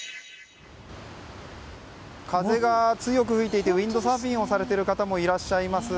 風が強く吹いていてウィンドサーフィンをされている方もいらっしゃいます。